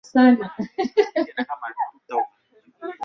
Tarehe kumi na tisa mwezi wa nne mwaka wa elfu mbili kumi na moja